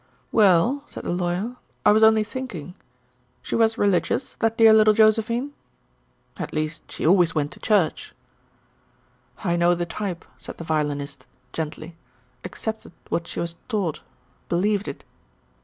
"Well," said the Lawyer, "I was only thinking. She was religious, that dear little Josephine?" "At least she always went to church." "I know the type," said the Violinist, gently. "Accepted what she was taught, believed it."